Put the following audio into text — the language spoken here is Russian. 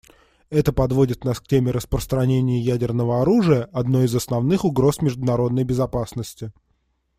Это подводит нас к теме распространения ядерного оружия, одной из основных угроз международной безопасности.